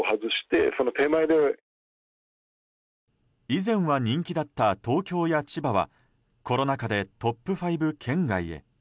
以前は人気だった東京や千葉はコロナ禍でトップ５圏外へ。